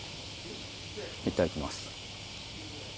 いただきます。